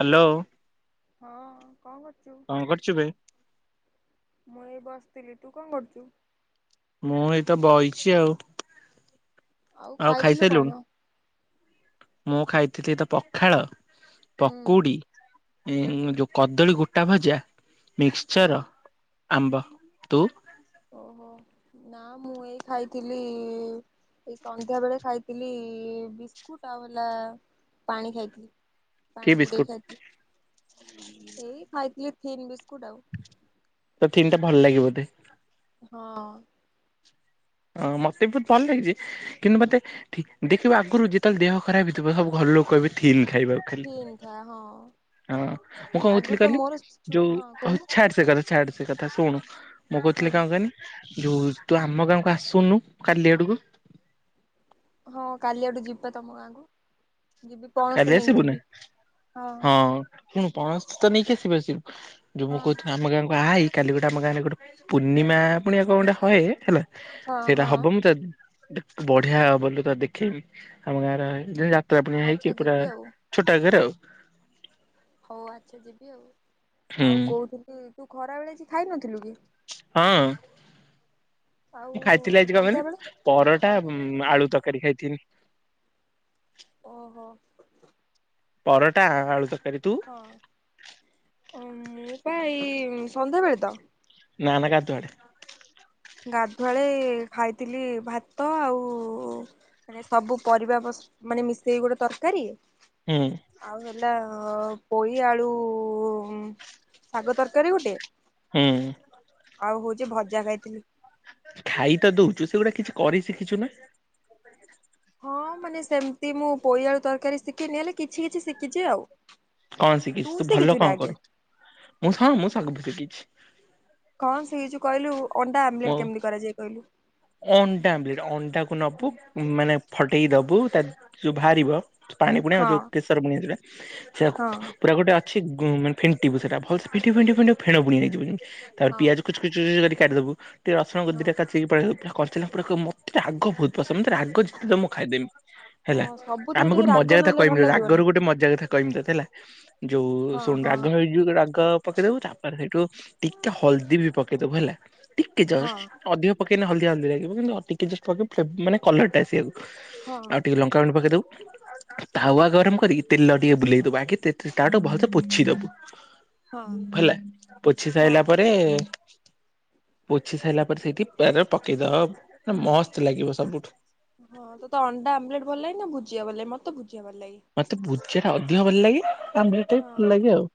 Hello. ହଁ, କଣ କରୁଛୁ? କଣ କରଛୁ ବେ? ମୁଁ ଏଇ ବସିଥିଲି। ତୁ କଣ କରୁଚୁ? ମୁଁ ଏଇତ ବଇଚି ଆଉ। ଆଉ ଖାଇଥିଲୁ କଣ? ଖାଇସାଇଲୁଣି? ମୁଁ ଖାଇଥିଲି ତ ପଖାଳ। ହୁଁ ପକୁଡି-ଇଁ, ଯୋଉ କଦଳୀ ଗୋଟା ଭଜା, ମିକ୍ସଚର ହଁ। ଆମ୍ବ। ତୁ? ଓହୋ! ନା ମୁଁ ଏଇ ଖାଇଥିଲି ଏଇ ସନ୍ଧ୍ୟା ବେଳେ ଖାଇଥିଲି-ଇ ବିସ୍କୁଟ ଆଉ, ହେଲା ପାଣି ଖାଇଥିଲି। କି ପାଣି ବୁଡେଇ ବିସ୍କୁଟ ଖାଇଥିଲି। ଏଇ ଖାଇଥିଲି ଥିନ୍ ବିସ୍କୁଟ ଆଉ। ତୋତେ ଥିନ୍ ଟା ଭଲ ଲାଗେ ବୋଧେ! ହଁ। ଅ ମତେ ବି ବହୁତ ଭଲ ଲାଗେ, ଯେ କିନ୍ତୁ, ମତେ ଦେ-ଦେଖିବ, ଆଗରୁ ଯେତେବେଳେ ଦେହ ଖରାପ ହେଇଥିବ, ସବୁ ଘରଲୋକ କହିବେ ଥିନ୍ ଖାଇବାକୁ। ଖାଲି, ଥିନ୍ ଖାଏ ହଁ। ହଁ, ମୁଁ କଣ କହୁଥିଲି ଆଗରୁ ତ କହିଲି? ମୋର ଚୁ ଯୋଉ ହଁ ହଉ କହୁନୁ ଛାଡ୍ ସେ କଥା। ଛାଡ୍ ସେ କଥା ଶୁଣୁ! ମୁଁ ହଁ କହୁଥିଲି କଣ କହନି, ଯୋଉ ତୁ ଆମ ଗାଁକୁ ଆସ୍ ସୁନୁ କାଲି ଆଡୁକୁୁ? ହଁ, କାଲି ଆଡୁ ଯିବି ପା ତମ ଗାଁକୁ। ଯିବି, କାଲି ପଣସ ନେଇକି ଯିବି। ହଁ। ଶୁଣ୍ ପଣସ ତ ନେଇକି ଆସିବୁ ଆସିବୁ। ଯୋଉ ହଁ ମୁଁ କହୁଥି, ଆମ ଗାଁକୁ ଆଇ କାଲି ଗୋଟେ ଆମ ଗାଁରେ ଗୋଟେ ପୂର୍ଣ୍ଣିମା, ପୁଣିଆକ ଗୋଟେ ହଏ, ହେଲା ହଁ ସେଇଟା ହବ, ହଁ ମୁଁ ତତ୍ ବଢ଼ିଆ ହବଲୋ ତତେ ଦେଖେଇବି। ଆମ ଗାଁ ର ଯେଁତି ଯାତ୍ରା ପୁଣିଆ ହେଇକି ଆଚ୍ଛା ଯିବି ଆଉ। ଛୋଟା ଘେରେ ଆଉ। ହଉ ଆଚ୍ଛା ଯିବି ଆଉ। ହୁଁ ଆଉ କହୁଥିଲି, ତୁ ଖରାବେଳେ ଆଜି ଖାଇନଥିଲୁ କି? ହଁ। ଆଉ ମୁଁ ଖାଇଥିଲି ଆଜି କଣ ସନ୍ଧ୍ୟାବେଳେ କହନି? ପରଟା ସନ୍ଧ୍ୟାବେଳେ କଣ ଖାଇଛୁ? ଆଳୁ ତରକାରୀ ଖାଇଥିନି। ଓହୋ! ପରଟା, ଆଳୁ ତରକାରୀ। ତୁ? ହଁ, ମୁଁ ପା ଏଇ ସନ୍ଧ୍ୟାବେଳେ ତ! ନା, ନା, ଗଧୁଆଳେ। ଗାଧୁଆଳେ-ଏ ଖାଇଥିଲି ଭାତ, ଆଉ ମାନେ ସବୁ ପରିବା ପଶ୍ ମାନେ, ମିଶେଇକି ଗୋଟେ ତରକାରୀ। ହୁଁ। ଆଉ ହେଲା ପୋଇ ଆଳୁ। ଶାଗ ତରକାରୀ ଗୋଟେ ହୁଁ। ଆଉ ହଉଛି ଭଜା ଖାଇଥିଲି। ଖାଇ ତ ଦେଉଛୁ ସେ ସେଗୁଡ଼ା କିଛି କରି ଶିଖିଛୁ ନାଁ। ହଁ ମାନେ ସେମିତି ମୁଁ ପୋଇ ଆଳୁ ତରକାରୀ ଶିଖିନି ହେଲେ କିଛି କିଛି ଶିଖିଛି ଆଉ। କଣ ଶିଖିଛିୁ ତୁ ଭଲ ଶିଖିଛୁ ନା କଁ ଆଗେ? କରୁ ମୁଁ ହଁ ମୁଁ ସବୁ ଶିଖିଛି। କଁ ସିଖିଚୁ କହିଲୁ ଅଣ୍ଡା ମୁଁ ଆମ୍ବୁଲେଟ୍ କେମିତି କରାଯାଏ କହିଲୁ। ଅଣ୍ଡା ଆମ୍ବଲେଟ୍ ଅଣ୍ଡାକୁ ନବୁ ମାନେ ଫଟେଇ ଦବୁ ତା ଯୋଉ ବାହାରିବ। ପାଣି ପାଣିଆ ଆଉ ହଁ ଯୋଉ କେଶର ବୁଣିଆ ଯୋଉଟା ସେଆକୁ। ହଁ। ସେଇଟା ଗୋଟେ ଅଛି ମାନେ ଫେଣ୍ଟିବୁ ସେଇଟା ଭଲ ସେ ଫେଣ୍ଟିବୁ ଫେଣ୍ଟିବୁ ଫେଣ୍ଟିବୁ ଫେଣ ଫୁଣି ହେଇଯିବ ଯେମତି ତାପରେ ହଁ ପିଆଜକୁ ଛୋ କୁତୁ କୁଚୁ କରି କାଟି ଦବୁ ଟିକେ ରସୁଣକୁ ହଁ। ଦିଟା ତାକ୍ ସେଇ ଉପାୟ ରେ ପୁରା କରି ଥିଲା ପୁରା କ ମତେ ରାଗ ବହୁତ ପସନ୍ଦ ମତେ ରାଗ ଯେତେ ଦମୁ ବି ମୁଁ ଖାଇଦେମି। ହେଲା ହଁ ସବୁଥିରେ ଆମେ ଟିକେ ଗୋଟେ ରାଗ ମଜା କଥା ନହେଲେ ଭଲ କହିମି ତତେ ଲାଗିବନି ରାଗରୁ ଗୋଟେ ମଜା କଥା କହିମି ତତେ ହେଲା। ଯୋଉ ହଁ ଶୁଣୁ ହଁ ରାଗ ହେଇ ଯୋଉ ରାଗ ପକେଇଦବୁ ତାପରେ ସେଇଠୁ ଟିକେ ହଳଦୀ ବି ପକେଇଦବୁ ହେଲା ଟିକେ ଜଷ୍ଟ। ହଁ ଅଧିକ ପକେଇଲେ ହଲଦିଆ ହଳଦିଆ ଲାଗିବ କିନ୍ତୁ ଅ ଟିକେ ଜଷ୍ଟ ପକେଇବୁ ଫ୍ଲେ ମାନେ କଲରଟା ଆସିବାକୁ। ହଁ ଆଉ ଟିକେ ଲଙ୍କା ଗୁଣ୍ଡ ପକେଇ ଦବୁ। ତାୱା ଗରମ କରିକି ତେଲ ଟିକେ ବୁଲେଇ ଦବୁ ଆଗେ ତେ ତେ ତାୱଆ ଟାକୁ ଭଲସେ ପୋଛି ଦବୁ। ହଁ ହେଲା ପୋଛି ହଁ ସାଇଲା ପରେ। ପୋଛି ସାଇଲା ପରେ ସେଇଠି ପିଆଜ ପକେଇଦବୁ ପୁରା ମସ୍ତ ଲାଗିବ ସବୁଠୁ। ହଁ ତତେ ଅଣ୍ଡା ଆମ୍ବଲେଟ୍ ଭଲ ଲାଗେ ନା ଭୁଜିଆ ଭଲ ଲାଗେ ମତେ ଭୁଜିଆ ଭଲ ଲାଗେ। ମତେ ଭୁଜିଆଟା ଅଧିକ ଭଲ ଲାଗେ ଆମଲେଟ୍ ଟା ବି ହଁ ଭଲ ଲାଗେ ଆଉ।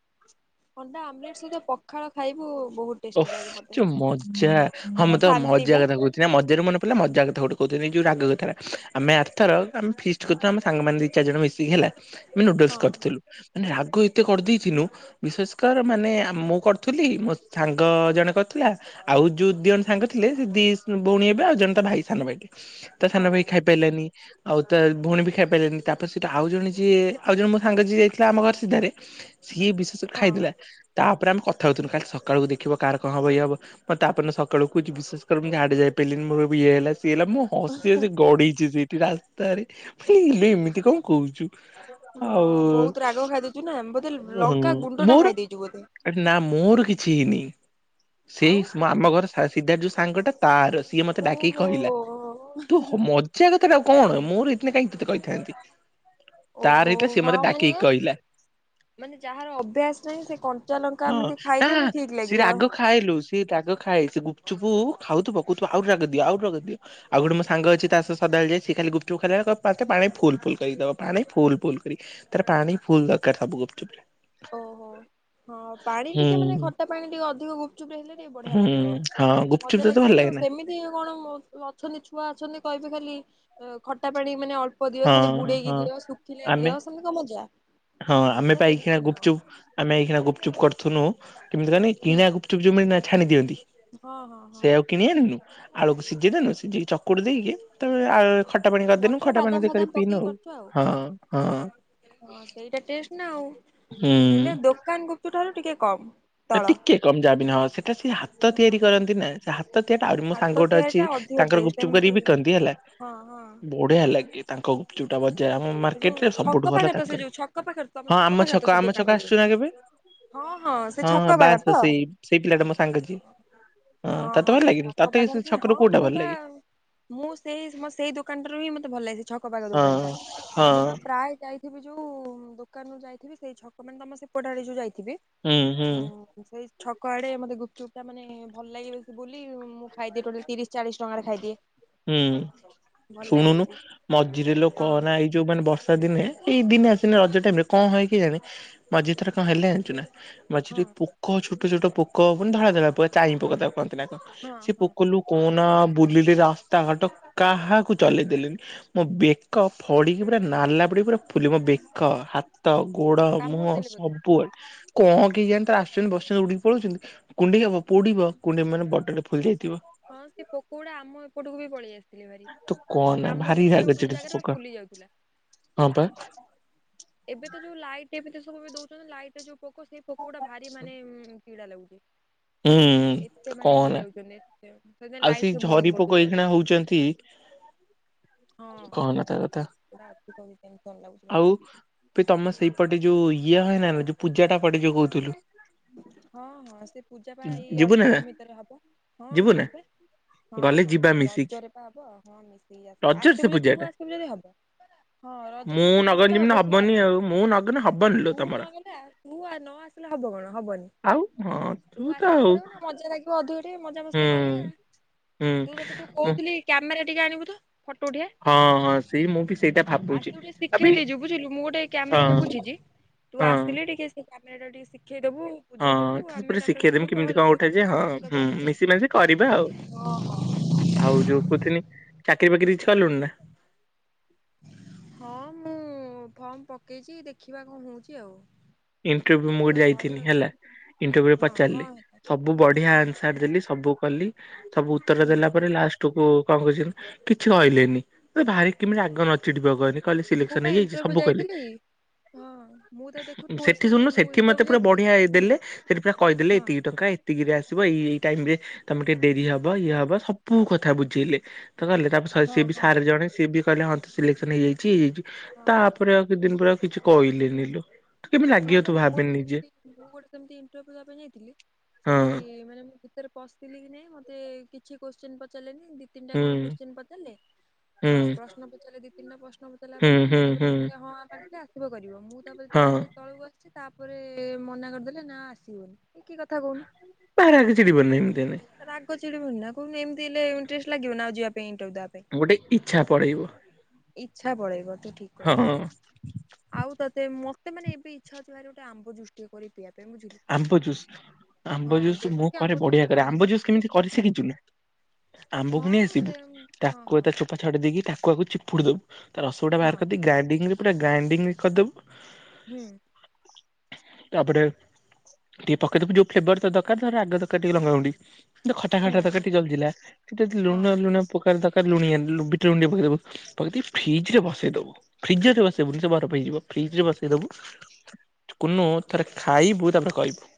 ଅଣ୍ଡା ଆମଲେଟ୍ ସହିତ ପଖାଳ ଖାଇବୁ ବହୁତ। ଓଃ ଟେଷ୍ଟି ଲାଗେ ଫସ୍ ମତେ କି ମଜା। ହଁ ପୁରା ମୁଁ ତତେ ଶାନ୍ତି ମଜା ବା। କଥା କହୁ ସେଟା ମଜାରୁ ମନେ ପଡ଼ିଲା ମଜା କଥା ଗୋଟେ କହୁଥିଲି ଏଇ ଯୋଉ ରାଗ କଥାଟା ଆମେ ଆର ଥର ଆମେ ଫି ରୁଥିଲା ଆମେ ସାଙ୍ଗମାନେ ଦି ଚାରି ଜଣ ମିଶିକି ହେଲା ଆମେ ନୁଡୁଲସ୍ ହଁ କରିଥିଲୁ। ମାନେ ରାଗ ଏତେ କରିଦେଇ ଥିଲୁ ବିଶ୍ୱାସ ମାନେ ମୁଁ କରିଥିଲି ମୋ ସାଙ୍ଗ ଜଣେ କରିଥିଲା। ଆଉ ଯୋଉ ଦି ଜଣ ସାଙ୍ଗ ଥିଲେ ସେ ଦି ଭଉଣୀ ହେବେ ଆଉ ଜଣେ ତା ଭାଇ ସାନ ଭାଇ ଟେ ତା ହଁ ସାନ ଭାଇ ଖାଇ। ପାଇଲା ନି। ଆଉ ତା ଭଉଣୀ ବି ଖାଇ ପାଇଲାନି ତାପରେ ସେଟା ଆଉ ଜଣେ ଯିଏ ଆଉ ଜଣେ ମୋ ସାଙ୍ଗ ଯିଏ ଯାଇଥିଲା ଆମ ଘର ସିଧାରେ। ସିଏ ବିଶ୍ଵାଷ କର ହଁ ଖାଇଦେଲା ତାପରେ ଆମେ କଥା ହଉଥିଲୁ କାଲି ସକାଳୁ ଦେଖିବ କାହାର କଣ ହବ ଇଏ ହବ। ମ ତେ ତା ପର ଦିନ ସକାଳୁ କହୁଛି ବିଶ୍ୱାସ କର ମୁଁ ଝାଡ଼ା ଯାଇପରିଲିନି। ମୋର ବି ଇଏ ହେଲା ସିଏ ହେଲା ମୁଁ ହସି ହସି ଗଡ଼ିଛି ସେଇଠି ରାସ୍ତାରେ ମୁଁ କହିଲି ଇବେ ଏମିତି କଣ କହୁଛୁ। ହଁ ଆଉ ବହୁତ ରାଗ ଖାଇ ଦେଇଛୁ ନା ବୋଧେ ଲଙ୍କା ଗୁଣ୍ଡ ଟା ଖାଇଦେଇଛୁ ବୋଧେ। ଆରେ ନା ମୋର କିଛି ହେଇନି ସେଇ ଆଉ ସ୍ ଆମ ଘର ସିଧା ରେ ଯୋଉ ସାଙ୍ଗଟା। ତାର ସିଏ ମତେ ଡାକିଇି ଓହୋ କହିଲା ତୁ ହ ମ ଜା କଥା ଟା ଆଉ କଣ ମୋର ହୋଇ ଥିଲେ କାଇଁ ତତେ କହିଥାନ୍ତି। ତାର ଓହୋ ହେଇଥିଲା ସିଏ ହଁ ମତେ ଡାକିକି ମାନେ। କହିଲା ମାନେ ଯାହାର ଅଭ୍ୟାସ ନାହିଁ ସେ କଞ୍ଚା ଲଙ୍କା ହଁ ଏମିତି ଖାଇ ନା ସିଏ ରାଗ ଖାଏଲୋ। ସିଏ ରାଗ ଖାଏ ସିଏ ଗୁପଚୁପୁ ଖାଉଥିବ କହୁଥିବ ଆହୁରି ରାଗ ଦିଅ ଆହୁରି ରାଗ ଦିଅ। ଆଉ ଗୋଟେ ମୋ ସାଙ୍ଗ ଅଛି ତା ସହ ସଦାବେଳେ ଯାଏ ସେ ଖାଲି ଗୁପ୍ଚୁପ୍ ଖାଇଲା ବେଳେ କହିବ ମତେ ପାଣି ଫୁଲ ଫୁଲ କରିକି ଦବ ପାଣି ଫୁଲ ଫୁଲ କରି। ତାର ପାଣି ଫୁଲ ଦରକାର ସବୁ ଗୁପୁଚୁପରେ। ଓହୋ ହଁ ପାଣି ଟିକେ ମାନେ ହୁଁ। ଖଟା ପାଣି ଟିକେ ଅଧିକ ଗୁପଚୁପ ହେଲେ ଟିକେ ବଢ଼ିଆ ହୁଁ ଲାଗିବ। ହଁ ଗୁପଚୁପ ମଜା ତତେ ଭଲ ଲାଗିବ ନା ଲାଗେ ସେମିତି ସ କଣ ଅଛନ୍ତି ଛୁଆ ଅଛନ୍ତି କହିବେ ଖାଲି ଖଟା ପାଣି ମାନେ ଅଳ୍ପ ଦିଅ ଖାଲି ହଁ ବୁଡେଇକି ହଁ ଦିଅ ଶୁଖିଲା ଆମେ ଦିଅ ସେମିତି କ ମଜା ହଁ ଆମେ ମଜା ପା ଏଇଖିଣା ସେମିତି ନୁହଁ। ଗୁପଚୁପ ଆମେ ଏଇଖିଣା ଗୁପଚୁପ୍ କରୁଥୁନୁ କେମିତି କହନି। ହୁଁ କିଣା ଗୁପୁଚୁପ ଯୋଉ ମିଳେନା ଛାଣିି ଦିଅନ୍ତି ହଁ ହଁ ହଁ ସେ ଆଉ କିଣେ ନିିଲୁ ଆଳକୁ ସିଝେଇ ଦଲୁ ସିଝିକ ଚକଟି ଦେଇକି ତାପ ଆ ଖଟା ପାଣି କରିଦେନୁ ମଟର ଖଟା ବାଦାମ ପାଣି ଫାଦାମ ପିଇନୁ ପକେଇକି କରୁଛୁ ଆଉ। ହଁ ହଁ ହଁ ସେଇଟା ଟେଷ୍ଟ ନା ଆଉ ହୁଁ ହେଲେ ଦୋକାନ ଗୁପୁ ଠାରୁ ଟିକେ କମ୍। ଟିକେ କମଜାାମ ନହ ସେଟା ସେ ହାତ ହାତ ତିଆରି ହଁ କରନ୍ତି ନା ସେ ହାତ ତିଆରି ଆହୁରି ମୋ ହାତ ସାଙ୍ଗ ଗୋଟେ ତିଆରି ଅଛି ଟା ଅଧିକ ତାଙ୍କର ଟେଷ୍ଟ ଗୁପଚୁପ ଏମିତି କରିକି ବିକନ୍ତି ହେଲା। ହଁ ହଁ। ବଢ଼ିଆ ଲାଗେ ତାଙ୍କ ଯଟା ବଜାର ଆମ ସେ ମାରକଟ ଯୋଉ ରେ ଛକ ସବୁଠୁ ଭଲ ପାଖରେ ତ ସେ ତାଙ୍କରି ଯୋଉ ଛକ ପାଖରେ ତମ ହଁ ଆମ ପାଖରେ ତ ଛକ ସେ ଆମ ଦୋକାନ ଟା ଛକ ଯୋଉ ଆସିଛୁ ନା କେବେ। ହଁ ସେ ହଁ ଛକ ହଁ ପାଖରେ ତ ବାସ ସେଇ ସେଇ ପିଲାଟା ମୋ ସାଙ୍ଗଛି। ହଁ ତତେ ଭଲ ସେ ଲାଗନି ଛକ ତତେ କି ପାଖରେ ସେ ନା ହଁ ଛକର କୋଉଟା ମୁଁ ଭଲ ବା ଲାଗେ। ମୁଁ ସେଇ ସେଇ ଦୋକାନଟାରୁ ହିଁ ମତେ ଭଲ ଲାଗଛି ଛକ ପାାଗ ହଁ ଦୋକାନ ଟା। ହଁ ମୁଁ ବା ପ୍ରାୟ ଯାଇଥିବି ଯୋଉ ଦୋକାନରୁୁ ଯାଇଥିବି ସେଇ ଛକ ମାନେ ତମ ସେପଟା ଆଡେ ଯୋଉ ଯାଇଥିବି। ହୁଁ ହୁଁ ହଁ। ସେଇ ଛକ ଆଡେ ମତେ ଗୁପୁଚୁପ ମାନେ ଭଲ ଲାଗିବ ବ ବୁଲି ମୁଁ ଖାଇଦିଏ ଟୋଟାଲ ତିରିଶ ଚାଳିଶ ଟଙ୍କାରେ ଖାଇଦିଏ। ହୁଁ ଭଲ ଲାଗେ ଶୁଣୁନୁ ବୋଲି ମଝିରେ ଲୋକ ହଁ କହନା ଏଇ ଯୋଉମାନେ ବର୍ଷା ଦିନେ ଏଇ ଦିନେ ଆସେ ରଜ ଟାଇମ ରେ କଣ ହୁଏ କେଜାଣି। ମଝି ଥରେ କଣ ହେଲେ ଜଣିଛୁ ନା। ମଝିରେ ହଁ ପୋକ ଛୋଟ ଛୋଟ ପୋକ ପ ଧଳା ଧଳା ପୋକ ଚହିଁ ପୋକ ତା କନ୍ତି ନା ହଁ ସେ ହଁ ପୋକ ଲୋ କୋନା ବୁଲିଲେ ରାସ୍ତାଘାଟ କାହାକୁ ଚଲେଇ ଦେଲେନି ମୋ ବେକ ଫଡିକି ପୁରା ନାଲା ପଡିକି ପୁରା ଫୁଲ ମୋ ବେକ ହ ହାତ ଗୋଡ କାମୁଡି ମୁହଁ ଦେଲେ ବୋଧେ ସବୁଆଡେ। କଣ କେ ଯାଣି ତାର ଆସୁଛନ୍ତି ବସିଛନ୍ତି ଉଡିକି ପଳଉଛନ୍ତି କୁଣ୍ଡେଇ ହବ ପୋଡିବ କୁଣ୍ଡେଇ ମାନେ ବଟରରେ ଫୁଲି ଯାଇଥିବ। ହଁ ସେ ପୋକ ଗୁଡା ଆମ ଏପଟକୁ ବି ପଳେଇ ଆସେ। ତୁ କହନା କାମୁଡି ଭାରି ରାଗ ଦଉଥିଲେ ଗୋଟେ ଚିଡେ ଗୋଟେ ସେ ଜାଗାରେ ପୋକ ଫୁଲି ଯାଉଥିଲା। ହଁ ପା ଏବେ ତ ଯୋଉ ଲାଇଟ୍ ଏବେ ତ ସବୁବେ ଦଉଛନ୍ତି ଲାଇଟ ଯୋଉ ପୋକ ସେଇ ପୋକ ଗୁଟା ଭାରି ମାନେ ଚିଡା ଲାଗୁଚି। ହୁଁ କହନା। ସେଦିନ ଆଉ ଲାଇଟ୍ ସେଇ ସବୁ ଝରି ବନ୍ଦ ପୋକ କରିଦଉଚନ୍ତି। ଏଇଖିଣା ହଉଛନ୍ତି। ହଁ ହଁ କହନା ତା କଥା। ଘରେ ପୁରା ଅଧିକ ହଉଛି [unintelligible] ଲାଗୁଛି ଭାରି। ଏ ତମେ ସେଇପଟେ ଯୋଉ ଇଏୁ ହୁଏ ନାଯୋଉ ପୂଜାଟା ପଡେ ଯୋଉ କହୁଥିଲୁ। ହଁ ହଁ ସେ ପୂଜା ବା ଏଇ ଯିବୁ ନା ଅଳ୍ପ ଦିନ ଭିତରେ ହବ ହଁ ଯିବୁ ନା ଯିବି ବା ହଁ ଗଲେ ହଁ ଯିବା ମିଶିକି ରଜରେ ପା ହବ ହଁ ମିଶେଇକି ଆସିବି ରଜରେ ସେ ଆସିବୁ ଯଦ ପୂଜା ତୁ ଟା। ଆସିବୁ ଯଦି ହବ। ହଁ ମୁଁ ରଜଚୋ ସେ ନଗଲେ ପୂଜା ଟା ଯେମିତି ହବ ତୁ ହବନି ଆସ ଆଉ ମୁଁ ନଗଲେ ହବନି ଲୋ ତୁ ତମର। ନଗଲେ ଆ ତୁ ଆଉ ନ ଆସିଲେ ହବ କଣ? ହବନି, ଆଉ ହଁ ତୁ ତ ଆସିବାକୁ ଆଉ ପଡିବ ନା ମଜା ଲାଗିବ ଅଧିକ ଟିକେ ହୁଁ ମଜାମସ୍ତି କରିବା। ହୁଁ ତୁ ତତେ ଯୋଉ ମୁଁ କହୁଥିଲି କ୍ୟାମେରା ଟିକେ ଆଣିବୁ ତ, ଫଟୋ ଉଠିଆ। ହଁ ହଁ ସେଇ ମୁଁ ବି ସେଇଟା ଭାବୁଛି ଆସୁ ଟୀକେ ଆବେ ଶିଖେଇ ଦେଇେଇଛୁ ବୁଝିଲୁ ମୁଁ ଗୋଟେ କ୍ୟାମେରା ଟା ହଁ ବୁଝିଛି। ତୁ ହଁ। ଆସିଲି ଟିକେ ସେ କାନେରା ଟା ଟିକେ ଶିଖେଇଦବୁ। ହଁ ହଁ ବୁଝେଇଦବୁ ତ ତେ ଆମେ ପୁରା ତାପରେ ଶିଖେଇଦେମି ଉଠେଇବୁ ଆଉ କେମିତି ହେଲା କଣ ତୁ ଉଠା ବି ଯାଏ ହଁ ଟିକେ ଉଠେଇ ଦବୁ ହୁଁ ଆମ ଟିକେ। ମିଶି ମାଶି କରିବା ଆଉ। ଆଉ ଯୋଉ କହୁଥିଲି ଚାକିରି ବାକିରି କିଛି କଲୁଣି ନା? ହଁ ମୁଁ ଫର୍ମ ପକେଇଛି ଦେଖିବା କଣ ହଉଛି ଆଉ। ଇଣ୍ଟରଭ୍ୟୁ ମୁଁ ତ ଗୋଟେ ଘରେ ଯାଇଥିଲି ଅଛି ହେଲା ଇଣ୍ଟରଭ୍ୟୁରେ ହଁ ପଚାରିଲେ କଣ ହେଲା ସବୁ ବଢିଆ ହଁ ଆନ୍ସ୍ ସାରଦଲି ସବୁ କଲି ସବୁ ଉତ୍ତର ହୁଁ ଦେଲା ପରେ ଲାଷ୍ଟ୍ ତୁ କୋଉ କଣ କରିଛୁ ନା କିଛି କହିଲେନି ତ ଭାରି କେମିତି ରାଗ ନ ଚିଡିବ କହିଲୁ। କହିଲି ମୁଁ ସିଲେକ୍ସନ ପା ହେଇଯାଇଛି ଇଣ୍ଟରଭ୍ୟୁ ସବୁ କହିଲେ। ଯାଇଥିଲି। ହଁ ମୁଁ ତ ଦେଖୁନୁ ତୁ ଗୋଟେ ସେଠି ଶୁଣୁନୁ ମୁଁ ସେଠି ଇଣ୍ଟରଭ୍ୟୁ ମତେ ପୁରା ଯାଇଥିଲି ବଢିଆ ହେଇ ହୁଁ ଦେଲେ ସେଠି ପୁରା କହିଦେଲେ ହଁ ଏତିକି ଟଙ୍କା ଏତିକିରେ ଆସିବ ଏଇ ଏଇ ଟାଇମ ରେ ତମେ ଟିକେ ଡେରି ହବ ଇଏ ହବ ସବୁ କଥା ବୁଝେଇଲେ। ତ କହିଲେ ତାପରେ ସ ଥରେ ହଁ ହଁ ସିଏ ବି ହଁ ସାର ଜଣେ ସିଏ ବି କହିଲେ ହଁ ତ ସିଲେକ୍ସନ ହେଇଯାଇଛି ହେଇଯାଇଛି। ହଁ। ତାପରେ ଆଉ କି ଦିନ ପରେ ଆଉ କିଛି କହିଲେନି ଲୋ। ତୁ କେମିତି ହଁ ଲାଗିବ ବା ତୁ ମୋର ଭାବେ ବି ନିଜେ ସେମତି ମୁଁ ଗୋଟେ ସେମତି ଇଣ୍ଟରଭ୍ୟୁ ଦେବା ପାଇଁ ଯାଇଥିଲି। ହଁ ସେଠି ମାନେ ମୁଁ କି ଭିତରେ ପଶଥିଲି କି ନାଇଁ ମତେ କିଛି କୋଶ୍ଚିନ ପଚାରିଲେନି ଦି ତିନିଟା ହୁଁ କଣ କଶ୍ଚିନ ପଚାରଲେ ହୁଁ ହଁ ପ୍ରଶ୍ନ ପଚାରଲେ ଦି ତିନଟା ପ୍ରଶ୍ନ ଦେଲା ହୁଁ ପରେ ମୁଁ ହୁଁ ତାପରେ ହୁଁ। ମତେ ହଁ ହାଁ ମାରି ଦେଇଥିଲେ ଆସିବ କରିବ ମୁଁ ତାପରେ ଯେତେବେଳେ ହଁ ଆସିି ତଳକୁ ଆସିଛି ତାପରେ ମନା କରିଦେଲେ ନା ଆସିବନି। ଏ କି କଥା କହୁନୁ? ପାରା କିଛି ଯବନି ଏମତିଆ ନାହିଁ। ତ ରାଗ ଚିିଡିବନି ନା କହୁନୁ ଏମତି ହେଲେ ଇଣ୍ଟରେଷ୍ଟ୍ ଲାଗିବ ନା ଆଉ ଯିବା ପାଇଁ ଇଣ୍ଟରଭ୍ୟୁ ଦେବା ପାଇଁ। ଗୋଟେ ଇଚ୍ଛା ପଳେଇବ। ଇଚ୍ଛା ପଳେଇବ ତୁ ଠିକ୍ ହଁ। କହିଲୁ। ଆଉ ତତେ ମତେ ମାନେ ଏବେ ଇଚ୍ଛା ହଉଛି ଭାରି ଗୋଟେ ଆମ୍ବ ଜୁସ୍ ଟିକେ କରି ପିଇବା ପାଇଁ ବୁଝିଲୁ। ଆମ୍ବ ଜୁସ୍, ହଁ ଆମ୍ବ ଜୁସ୍ ମୁଁ ଦେଶୀ ଆମ୍ବ କରେ ଜୁସ୍ ବଢିଆ ଟିକେ କରେ। ଆଣିବ ଆମ୍ବ ଜୁସ୍ ପିଇବୁ କେମିତି କରିଶିଖିଛୁ କି? ଆମ୍ବକୁ ନେଇ ହଁ ସେ ଆସିବୁ ହଁ ଟାକୁଆ ହଁ ତା ଚୋପ୍ ପା ଛଡେଇ ଦେଇକି ଟାକୁଆକୁ ଚିପୁଡ଼ି ଦେବୁ ତା ରସଗୁଡା ହଁ ବାହାର କରିଦେଇକି ଗ୍ରାଇଡିଙ୍ଗ ରେ ପୁରା ଗ୍ରାଇଣ୍ଡିଙ୍ଗ କରଦବୁ ହୁଁ। ତାପରେ ଟିକେ ପକେଇଥିବ ଯୋଉ ଫ୍ଲେବର ତ ଦରକାର ଧ ରାଗ ଦରକାର ଟିକେ ଲଙ୍କା ଗୁଣ୍ଡି। ମତେ ଖଟା ଖଟା ହୁଁ ଦରକାର ହୁଁ ଟିକେ ଜଲଦିଲା ଟିକେ ହଁ ଲୁଣ ଲୁଣ ପକାରୁ ତରକାର ଲୁଣିଆ ଲୁ ବିଟା ଲୁଣ ଟିକେ ପକେଇଦବୁ ପକେଇଦେଇ ଫ୍ରିଜରେ ବସେଇ ଦବୁ ଫ୍ରିଜରରେ ବସେଇବୁ ନି ସେ ବାରଫ୍ ହେଇଯିବ ଫ୍ରିଜ୍ ରେ ବସେଇ ଦବୁ କୁନୁ ଥରେ ଖାଇବୁ ତାପରେ କହିବୁ।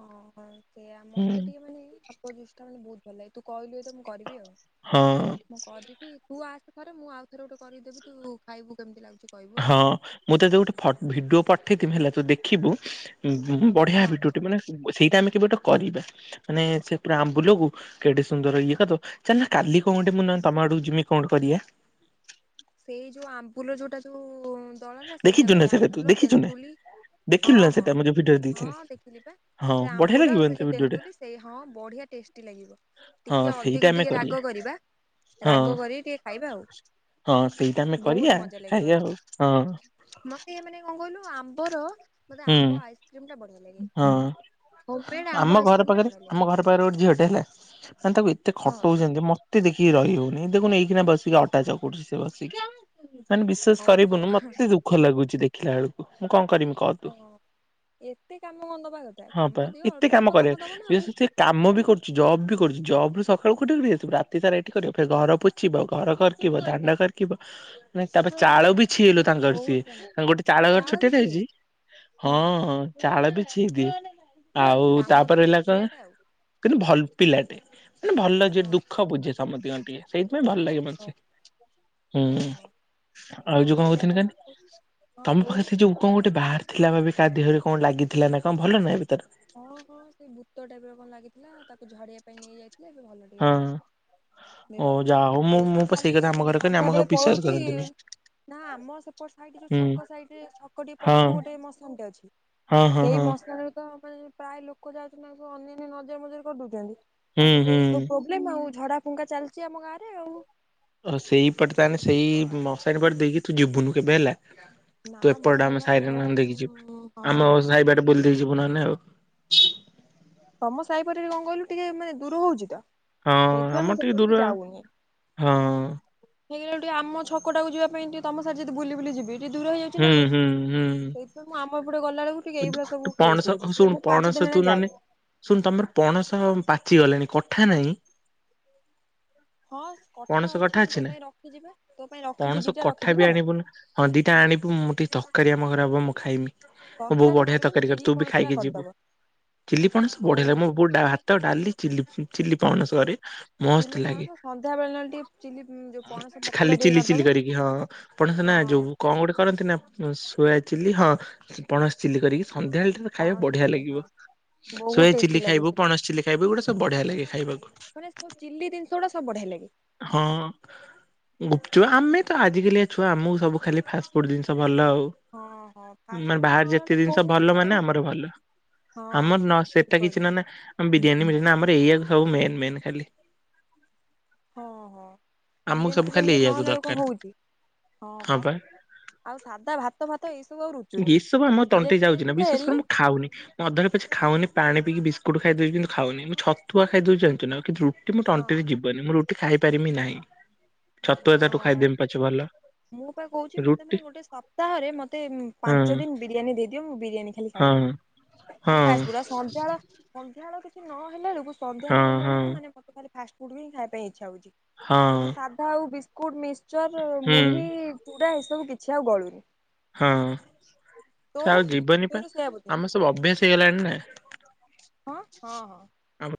ହଁ ହଁ ସେୟା ହୁଁ। ମତେ ଟିକେ ମାନେ ଅପଜିଷ୍ଟା ମାନେ ବହୁତ ଭଲ ଲାଗେ ତୁ କହିଲୁ ଏଠ୍ ତ ମୁଁ କରିବି ଆଉ। ହଁ ମୁଁ କରିବି ତୁ ଆସେ ଥରେ ମୁଁ ଆଉ ଥରେ ଗୋଟେ କରିଦେବି ତୁ ଖାଇବୁ କେମତି ଲାଗୁଛି। କହିବୁ ହଁ ହେଲା ମୁଁ ତତେ ଗୋଟେ ଫଟ୍ ଭିଡିଓ ପଠେଇଥିବି ହେଲା ତୁ ଦେଖିବୁ ଉଁ ଉଁ ବଢିଆ ହଁ। ଭିଡିଓ ଟା ମାନେ ସେଇଟା ଆମେ କେବେ ଗୋଟେ କରିବା। ମାନେ ସେ ପୁରା ଆମ୍ବୁଲକୁ କେଡେ ସୁନ୍ଦର ଇଏ କରଦବ ଚାଲୁ ନ କାଲି କଣ ଗୋଟେ ମୁଁ ନହେଲେ ତମ ଆଡକୁ ଯିବି କଣ ଗୋଟେ କରିବା? ସେଇ ଯୋଉ ଆମ୍ବୁଲ ଯୋଉଟା ଯୋଉ ଦଳା ଯାଏ ସେଇଟା ଦେଖିଛୁ ନା କରିବା ସେଟା ତୁ ଆମ୍ବୁଲ ଦେଖିଛୁ ନା ତେନ୍ତୁଳି ଦେଖିଲୁ ହଁ ନା ହଁ ସେଟା ମୁଁ ଯୋଉ ଭିଡିଓ ହଁ ଦେଇଥିଲି ଦେଖିଲି ବା ହଁ ସେ ବଢିଆ ଆମ୍ବୁଲ ଆଉ ଲାଗିବନି ସେ ଯୋଉ ଭିଡିଓ ଟା ତେନ୍ତୁଲି ସେଇ ହଁ ବଢିଆ ଟେଷ୍ ଟି ଲାଗିବ ହଁ ଟିକେ ସେଇଟା ଅଧିକ ଆମେ ଟିକେ ରାଗ କରିବା ହଁ ରାଗ କରି ଟିକେ ଖାଇବା ଆଉ। ହଁ ସେଇଟା ଆମେ ବହୁତ କରିବା ମଜା ଲାଗିବ। ଖାଇବା ହଉ ହଁ। ମତେ ଏ ମାନେ କଣ କହିଲୁ ଆମ୍ବର ମତେ ହୁଁ ଆମ୍ବ ଆଇସ୍କ୍ରିମ୍ ଟା ବଢିଆ ଲାଗେ। ହଁ ଓମଫେଡ ଆମ୍ବ ଆଇସ୍କ୍ରିମ୍ ଟା ବଢିଆ ଲାଗେ। ମୋ ପାଖରେ ଝିଅଟେ ହେଲା ମାନେ ତାକୁ ଏତେ ହଁ। ଖଟଉଛନ୍ତି ମତ୍ ତି ଦେଖିକି ରହିହଉନି ଦେଖୁନୁ ଏଇଖିଣା ବସିକି ଅଟା ଚକଡୁଛି ସେ ବସିକି। ମାନେ ବିସ୍ୱାସ ଓହୋ। କରିବୁନୁ ମତେ ଦୁଃଖ ଲାଗୁଛି ଦେଖିଲା ବେଳକୁ, ମୁଁ କଣ କରମି କ ହଁ ଏତେ କାମ କଣ ଦବା କଥା? ହଁ କାମ ପା ଦିଅ ଏତେ ଅଳ୍ପ ଅଳ୍ପ କାମ କରେ ଦବ ନା ଆଉ [unintelligible] କାମ ବି କରୁଛି ଜବ ବି କରୁଛି ଜବୁ ସକାଳୁୋଠେି ଆସିବୁ ରାତି ସାରା ଏଇଠି କରିବ ଘର ପ ଥିବ ଘର କରିଥିବ ଦାଣ୍ଡ କରିଥିବ ତାପରେ ଚାଳ ବି ଛିଲୁ ତାଙ୍କର ବହୁତ ସିଏ କାମ। ତାଙ୍କ ଗୋଟେ ଚାଳ ଘର ଛୋଟିଆରେ ହେଇଛି ହଁ! ଚାଳ ବି ଛଇଦିଏ ଆଉ କାମ ତାପରେ କିଆଣି ହେଲା କଣ ପିଲାଟା ଆଉ କିନ୍ତୁ ଭଲ ପିଲାଟେ ମାନେ ଭଲ ଯ ହଁ ଦୁଃଖ ବୁଝେ ସମସ୍ତଙ୍କ ଟିକେ ସେଇଥିପାଇଁ ଭଲ ଲାଗେ। ଓ ଆଛା ହଁ ହୁଁ ହଁ। ହଁ ଆଉ ଯୋଉ କଣ ସେଇଟା ଭଲ କହୁଥିଲି ନା ଆଉ। ହଁ ତମ ପାଖରେ କହୁନୁ। ସେ ଯୋଉ କ ଗୋଟେ ବାହାରି ଥିଲା ବାବେ କାହା ଦେହରେ କଣ ଲାଗିଥିଲା ନା କଣ ଭଲ ନାହିଁ ଏବେ ତାର? ହଁ ହଁ ସେ ଭୂତ ଟାଇପ୍ର କଣ ଲାଗିଥିଲା ତାକୁ ଝାଡ଼ିବା ପାଇଁ ନେଇ ଯାଇଥିଲେ ଏବେ ଭଲ ଟିକେ ତାର। ହଁ ଓ ଦେହ ଯାହା ହଉ ମୁଁ ସେଇପା ମୁଁ ପା ସେଇ କଥା ଖାଲି ଆମ ଘରେ କହିନି ଆମ ସନ୍ଧ୍ୟା ଘରେ ବେଳେ ବିଶ୍ଵାସ ପଳଉଛି। କରନ୍ତିନି। ନା ଆମ ସେପଟ ସାଇଡ ଯୋଉ ହୁଁ ଛକ ସାଇଡ ଛକ ଟେ ହଁ ପଛୁ ଗୋଟେ ମଶାନଟେ ଅଛି। ହଁ ହଁ ହଁ! [unintelligible] ତ ମାନେ ପ୍ରାୟ ଲୋକ ଯାଉଛନ୍ତି ତାଙ୍କୁ ଅନ୍ୟନ୍ୟ ନଜର ମଜର କରିଦଉଛନ୍ତି ହୁଁ ତାଙ୍କର ତ ହୁଁ। ଏଇ ସବୁ ଉ ଝଡା ଫୁଙ୍କା ଚାଲିଛି ଆମ ଗାଁରେ ଆଉ। ଅହ ସେଇପଟେ ତାହେଲେ ସେଇ ମଶାଣିୀ ପଟେ ଦେଇକି ତୁ ଯିବୁନୁ କେବେ ହେଲା। ନା ତୁ ଏପଟ ଟେ ମଶାରୀ ଆମ ଫାରେ ସାଇରେ ମୋର ନହଲେ ଦେଖି ଯିବୁ ହଁ ଆମ ହଁ। ସାଇ ବାଟେ ବୁଲିଦେଇକି ଯିବୁ ନହେଲେ ଆଉ। ତମ ସାହିପଟରେ ଗଙ୍ଗଲୁ ଟିକେ ମାନେ ଦୂର ହଉଛି ତ ହଁ ସେଇଥିପାଇଁ ଆମର ମୁଁ ଟିକେ ଦୂର ସେପଟିକି ଯାଉନି। ହଁ! ହେଇଗ ଟିକେ ଆମ ଛକଟାକୁ ଯିବା ପାଇଁ ଟିକ ତମ ସାର ଯଦି ବୁଲି ବୁଲି ଯିବି ଯେ ଦୂର ହେଇଯାଉଛି ନା ହୁଁ ଆଉ ହୁଁ ହୁଁ। ସେଇଥିପାଇ ମୁଁ ଆମ ଏପଟେ ଗଲାବେଳକୁ ଟିକେ ଏଇଭଳିଆ ତୁ ସବୁ କେସ୍ ପଣସ ହଉଛି। ଶୁଣୁ ପାଞ୍ଚ ପଣସ ଦିନ ତୁ ହେଲା ନହେଲେ ଯାଇନି। ଶୁଣୁ ତମର ପଣସ ପାଚିଗଲେଣି କଠା ନାହିଁ? ହଁ କଥା ପଣସ କଠା ଅଛି ମୁଁ ନା? ତୋ ପାଇଁ ରଖିଛି ବା ତୋ ପାଇଁ ରଖିଛି ପଣସ ଦିଟା କଠା ବି ରଖିଛି ନା। ଆଣିବୁନୁ ହଁ ଦିଟା ଆଣିବୁ ମୁଁ ଟିକେ ତରକାରୀ ଆମ ଘରେ ହବ ମୁଁ ଖାଇମି। ମୁଁ ବୋଉ ତରକାରୀ ବଢିଆ କରିବନି ତରକାରୀ କରେ ଚିଲି ତୁ ବି ପଣସ ଟା ଖାଇକି ଯିବୁ କରିଦବ ଚିଲ୍ଲି ପଣସ ହଉ ବଢିଆ ଲାଗେ ହଉ। ମୋ ବୋଉ ଡା ଡାଲି ଚି ଚିଲ୍ଲି ପଣସ କରେ ଚିଲି ମସ୍ତ ଲାଗେ ପଣସ ସନ୍ଧ୍ୟା ବେଳେ ନହେଲେ ଟିକେ ଚିଲି ଯୋଉ ପଣସ ପକୁଡା ଖାଲି ଟିକେ ଚିଲି କରିଦବ। ଚିଲି କରିକି ହଁ ପଣସ ହଁ ନା ଯୋଉ କଣ ଗୋଟେ କରନ୍ତି ନା ସୋୟା ଚିଲ୍ଲି ହଁ ପଣସ ଚିଲ୍ଲି କରିକି ସନ୍ଧ୍ୟାବେଳେ କିନ୍ତୁ ଖାଇବାକୁ ପଣସ ବଢିଆ ଚିଲି ହଁ ଲାଗିବ। ସୋୟା ବହୁତ ଟେଷ୍ଟି ଚିଲ୍ଲି ଲାଗେ ଖାଇବୁ ସେଟା। ପଣସ ଚିଲ୍ଲି ଖାଇବୁ ଏଗୁଡ଼ା ସବୁ ବଢ଼ିଆ ଲାଗେ ଖାଇବାକୁ। ମାନେ ସବୁ ଚିଲି ଜିନିଷ ଗୁଡା ସବୁ ବଢିଆ ଲାଗେ। ହଁ! ଗୁପଚୁପ୍ ଆମେ ତ ଆଜିକାଲିଆ ଛୁଆ ଆମକୁ ସବୁ ଖାଲି ଫାଷ୍ଟ ଫୁଡ୍ ଜିନିଷ ଭଲ ଆଉ ହଁ ହଁ ମାନେ ଫାଷ୍ଟଫୁଡ ତ ବାହାରେ ନହେଲେ ଯେତେ ଜିନିଷ ହଉନି କିଛି ଭଲ ଆଉ ମାନେ ଆମର ଭଲ। ହଁ ଆମର ହଁ ନ ଠିକ ସେଟା କିଛି କହିଲୁ ନ ତୁ ନା ଆ ବିରିୟାନୀରିୟାନ ଆମର ଏଆ ସବୁ ମେନ ମେନ ଖାଲି। ହଁ ହଁ! ଆମକୁ ବିରିୟାନୀ ସବୁ ଖାଲି ଫିରିୟାନୀ ଟିକେ ଏଇଆକୁ ନହେଲା ବେଳ କଣ ଦରକାର ହଉଛି ହଁ ପା। ଆଉ ସାଧା ଭାତ ଫାତ ଏଇସବୁ ଆଉ ରୁଚୁନି। ଏ ସବୁ ଆମ ତଣ୍ଟି ବିରିୟାନି ଯାଉଛି ଫିରିୟାନି ନା ଟିକେ ବିଶେଷ କରି ହେଲେ ମୁଁ ଖାଉନି। ନଧରେ ପଛେ ଖାଉନି ପାଣି ପିଇିକି ବିସ୍କୁଟ ଖାଇଦଉଛି କିୁ ଖାଉନି ମୁଁ ଛତୁଆ ଖାଇଦଉଛି ଜାଣିଚୁ ନା ଆ କିନ୍ତୁ ରୁଟି ମୁଁ ହଁ ତଣ୍ଟିରେ ଯିବନି ମୁଁ ରୁଟି ଖାଇପାରିବି ନାହିଁ। ଛତୁ ଏ ତାଠୁ ହଁ। ଖାଇଦେମି ପଛେ ଭଲ ମୁଁ ପା କହୁଛି କିନ୍ତୁ ମତେ ମାନେ ରୁଟି ଗୋଟେ ସପ୍ତାହରେ ମୋତେ ହଁ ପାଞ୍ଚ ଦିନ ବିରିୟାନୀ ଦେଇଦିଅ ମୁଁ ବିରିୟାନୀ ଖାଲି ହଁ ଖାଇବି। ହଁ ଖାଲି ଖାଇସ ପୁର ସନ୍ଧ୍ୟା ବେଳ ସନ୍ଧ୍ୟାବେଳ କିଛି ନ ହେଲା ବଳକୁ ସନ୍ଧ୍ୟାଳ ହଁ ହେଲା ହଁ ବେଳକୁ ମାନେ ମତେ ଖାଲି ଫାଷ୍ଟଫୁଡ ବି ହିଁ ଖାଇବା ପାଇଁ ଇଚ୍ଛା ହଉଛି। ହଁ ସେମିତି ସାଧା ଆଉ ବିସ୍କୁଟ ମିକ୍ସଚର ହୁଁ ମୁଢି ଚୁଡା ଏସବୁ କିଛି ଆଉ ଗଳୁନି। ହଁ ସେ ତୋର ଆଉ ଜୀବନୀ ତୋର ପାଇଁ ସେଇଆ ବୋଧେ ଆମର ସବୁ ଅଭ୍ୟାସ ହେଇଗଲାଣି ନା। ହଁ ହଁ ହଁ! ଆମ